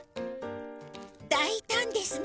だいたんですね。